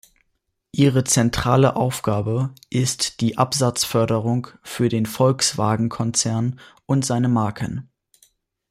Ihre zentrale Aufgabe ist die Absatzförderung für den Volkswagen Konzern und seiner Marken.